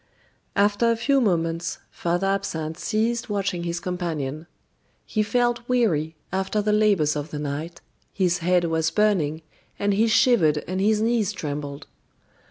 After a few moments, Father Absinthe ceased watching his companion. He felt weary after the labors of the night, his head was burning, and he shivered and his knees trembled.